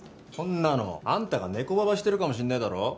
こんなのあんたが猫ばばしてるかもしれないだろ？